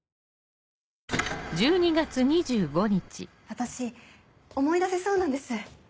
私思い出せそうなんです。